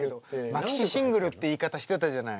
マキシシングルって言い方してたじゃない。